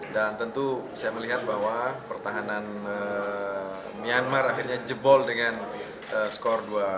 dan tentu saya melihat bahwa pertahanan myanmar akhirnya jebol dengan skor dua satu